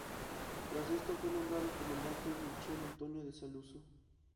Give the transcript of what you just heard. Tras esto, fue nombrado comandante Michele Antonio de Saluzzo.